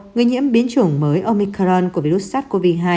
người nhiễm biến chủng mới omican của virus sars cov hai